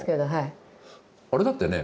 あれだってね